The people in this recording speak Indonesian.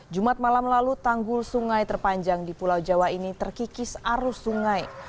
jumat malam lalu tanggul sungai terpanjang di pulau jawa ini terkikis arus sungai